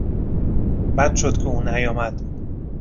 بد شد که او نیامد.